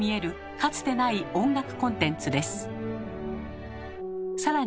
かつてない音楽コンテンツです。